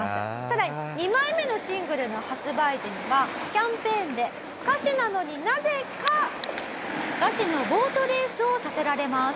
更に２枚目のシングルの発売時にはキャンペーンで歌手なのになぜかガチのボートレースをさせられます。